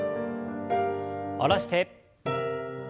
下ろして。